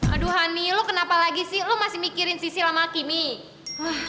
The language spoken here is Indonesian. aduh honey lo kenapa lagi sih lo masih mikirin si silamaki nih